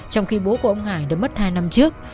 trong khi bố của ông hải đã mất hai năm trước